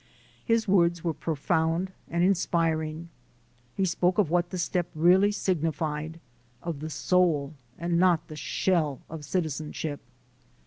His words were profound and inspiring. He spoke of what the step really signified, of the soul and not the shell of citizenship.